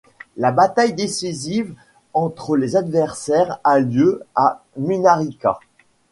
La bataille décisive entre les adversaires a lieu à Miñarica.